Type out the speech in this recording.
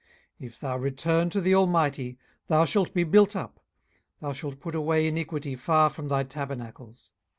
18:022:023 If thou return to the Almighty, thou shalt be built up, thou shalt put away iniquity far from thy tabernacles.